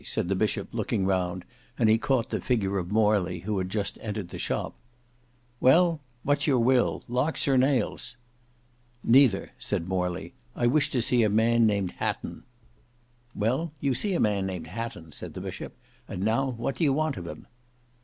said the bishop, looking round, and he caught the figure of Morley who had just entered the shop. "Well, what's your will? Locks or nails?" "Neither," said Morley; "I wish to see a man named Hatton." "Well, you see a man named Hatton," said the bishop; "and now what do want of him?"